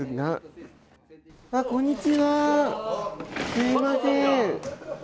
・すみません。